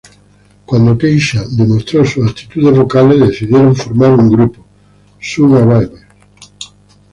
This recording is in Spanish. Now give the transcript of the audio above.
Cuando Keisha demostró sus aptitudes vocales, decidieron formar un grupo, Sugababes.